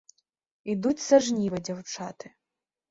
Ідуць са жніва дзяўчаты.